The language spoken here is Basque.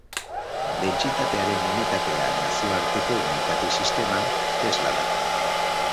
Dentsitatearen unitatea Nazioarteko Unitate Sisteman, tesla da.